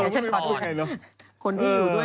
ชัดฝ่าง